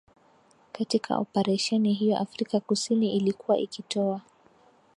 Katika Oparesheni hiyo Afrika kusini ilikuwa ikitoa